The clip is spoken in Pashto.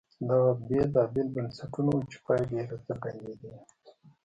دغه بېلابېل بنسټونه وو چې پایلې یې راڅرګندېدې.